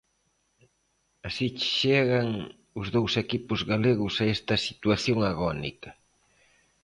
Así chegan os dous equipos galegos a esta situación agónica.